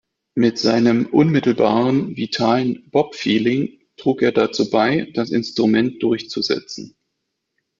Mit seinem „unmittelbaren, vitalen Bop-Feeling“ trug er dazu bei, das Instrument durchzusetzen.